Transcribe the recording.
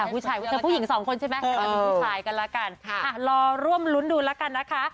ว่าผู้หญิง๒ท่านใช่ไหมหล่อร่วมรุ้นดูละกันนะคะ